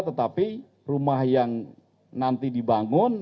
tetapi rumah yang nanti dibangun